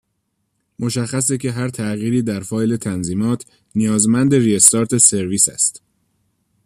مشخصه که هر تغییری در فایل تنظیمات نیازمند ری استارت سرویس است.